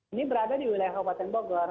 ini berada di wilayah kabupaten bogor